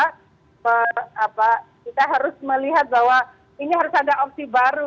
kita harus melihat bahwa ini harus ada opsi baru